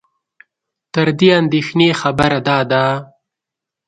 تر دې اندېښنې خبره دا ده